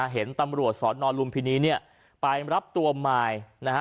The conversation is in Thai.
เห็นตำรวจสอนอนลุมพินีเนี่ยไปรับตัวมายนะฮะ